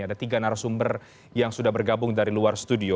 ada tiga narasumber yang sudah bergabung dari luar studio